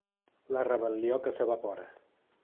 La rebel·lió que s’evapora